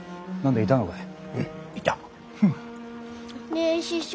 ねえ師匠。